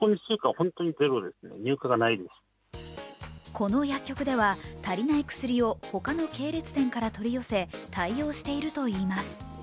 この薬局では足りない薬を他の系列店から取り寄せ対応しているといいます。